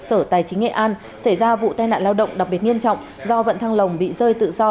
sở tài chính nghệ an xảy ra vụ tai nạn lao động đặc biệt nghiêm trọng do vận thăng lồng bị rơi tự do